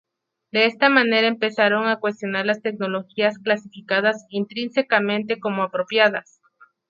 De esta manera, empezaron a cuestionar las tecnologías clasificadas intrínsecamente como apropiadas.